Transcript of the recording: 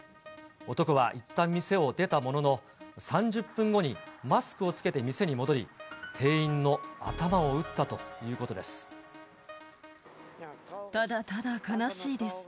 男はいったん店を出たものの、３０分後にマスクを着けて店に戻り、ただただ悲しいです。